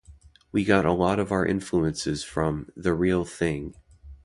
We got a lot of our influences from "The Real Thing".